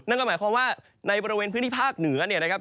นั่นก็หมายความว่าในบริเวณพื้นที่ภาคเหนือเนี่ยนะครับ